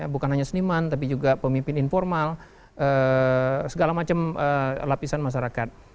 bukan hanya seniman tapi juga pemimpin informal segala macam lapisan masyarakat